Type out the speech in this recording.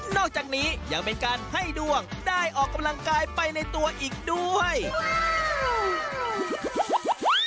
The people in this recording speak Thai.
อกจากนี้ยังเป็นการให้ดวงได้ออกกำลังกายไปในตัวอีกด้วย